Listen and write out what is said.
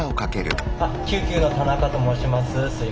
救急の田中と申します。